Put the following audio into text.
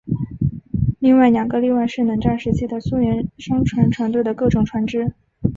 另外两个例外是冷战时期的苏联商船船队的各种船只。